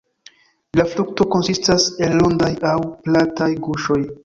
La frukto konsistas el rondaj aŭ plataj guŝoj.